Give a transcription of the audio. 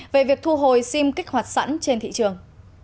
về việc thu hồi sim kích hoạt sẵn trên thị trường